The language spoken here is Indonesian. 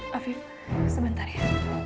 hafif sebentar ya